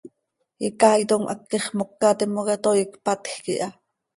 Icaaitom haquix moca timoca toii cpatjc iha.